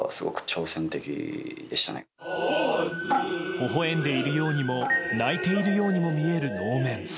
ほほ笑んでいるようにも泣いているようにも見える能面。